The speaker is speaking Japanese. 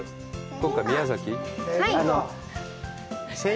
今回宮崎？